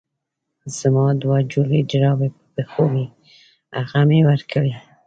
زما دوه جوړه جرابې په پښو وې هغه مې ورکړې.